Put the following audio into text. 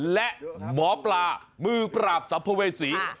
และหมอปลามือปราบสัมภเวษี